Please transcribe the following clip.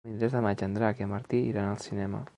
El vint-i-tres de maig en Drac i en Martí iran al cinema.